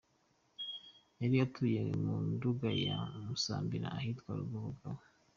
Yari atuye mu Nduga ya Musambira, ahitwa i Rugobagoba.